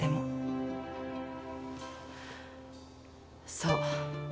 そう。